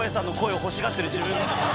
欲しがってる自分が。